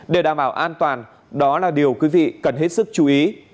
để đảm bảo an toàn đó là điều quý vị cần hết sức chú ý